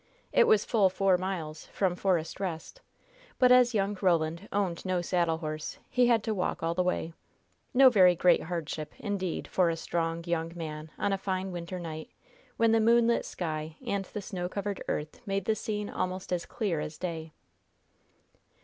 It was full four miles from Forest Rest, but, as young Roland owned no saddle horse, he had to walk all the way no very great hardship, indeed, for a strong, young man on a fine winter night, when the moonlit sky and the snow covered earth made the scene almost as clear as day.